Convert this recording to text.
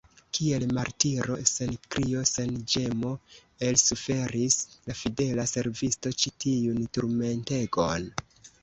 Kiel martiro, sen krio, sen ĝemo elsuferis la fidela servisto ĉi tiun turmentegon.